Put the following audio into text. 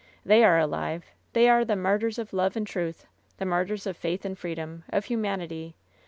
They are alive 1 They are the martyrs of love and truth ; the martyrs of faith and freedom, of human ity.